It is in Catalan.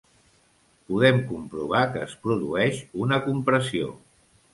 Podem comprovar que es produeix una compressió.